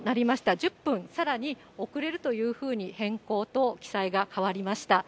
１０分さらに遅れるというふうに変更と記載が変わりました。